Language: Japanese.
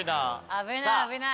危ない危ない。